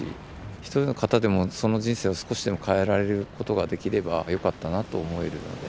一人の方でもその人生を少しでも変えられることができればよかったなと思えるので。